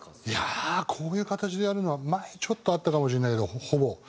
いやあこういう形でやるのは前にちょっとあったかもしれないけどほぼ。